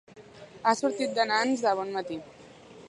Ha sortit de Nans de bon matí.